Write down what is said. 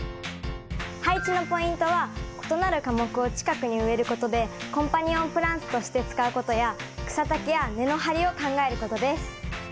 配置のポイントは異なる科目を近くに植えることでコンパニオンプランツとして使うことや草丈や根の張りを考えることです。